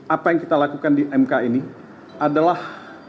apa yang kita lakukan di mk ini adalah